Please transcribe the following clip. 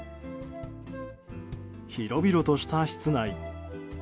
広々とした室内。